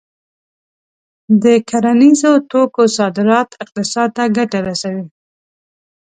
د کرنیزو توکو صادرات اقتصاد ته ګټه رسوي.